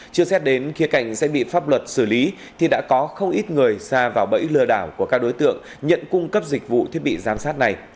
chưa xét đến khi cảnh sẽ bị pháp luật xử lý thì đã có không ít người ra vào bẫy lừa đảo của các đối tượng nhận cung cấp dịch vụ thiết bị giám sát này